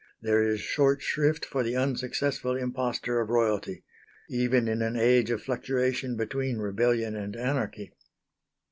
There is short shrift for the unsuccessful impostor of royalty even in an age of fluctuation between rebellion and anarchy.